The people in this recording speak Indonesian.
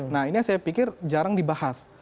nah ini yang saya pikir jarang dibahas